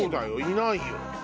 いないよ。